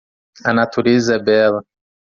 A natureza é bela.